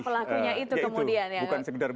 penyebutan siapa pelakunya itu kemudian ya